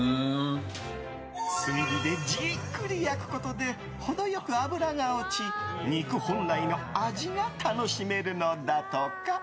炭火でじっくり焼くことで程良く脂が落ち肉本来の味が楽しめるのだとか。